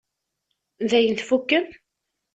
Dayen tfukkem?